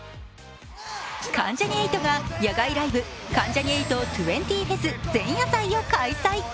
関ジャニ∞が野外ライブ「ＫＡＮＪＡＮＩ∞２０ＦＥＳ前夜祭」を開催。